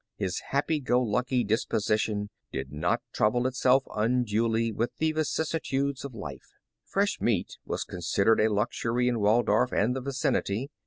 His happy go lucky dispo sition did not trouble itself unduly with the vicissi tudes of life. Fresh meat was considered a luxury in Waldorf and the vicinity.